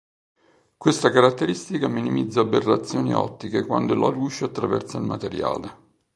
Questa caratteristica minimizza aberrazioni ottiche quando la luce attraversa il materiale.